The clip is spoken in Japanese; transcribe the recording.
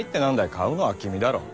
買うのは君だろォ？